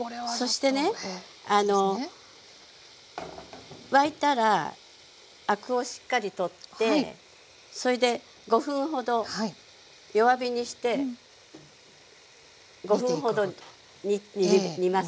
そしてねあの沸いたらアクをしっかり取ってそいで５分ほど弱火にして５分程煮ます。